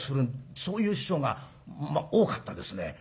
そういう師匠が多かったですね。